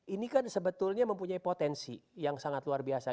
ini kan sebetulnya mempunyai potensi yang sangat luar biasa